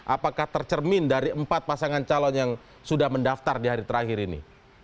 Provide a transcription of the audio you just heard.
apakah tercermin dari empat pasangan calon yang sudah mendaftar di hari terakhir ini